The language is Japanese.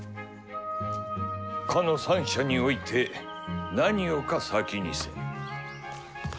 「斯の三者に於いて何をか先にせん」。